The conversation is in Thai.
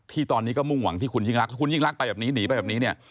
ที่ตอนนี้ก็มุ่งหวังที่คุณยิ่งรักถ้าคุณยิ่งรักไปแบบนี้หนีไปแบบนี้เนี่ย